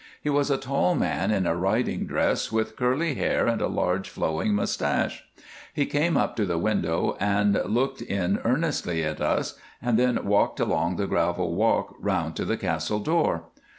He was a tall man in a riding dress, with curly hair and a large flowing moustache. He came up to the window and looked in earnestly at us, and then walked along the gravel walk round to the castle door.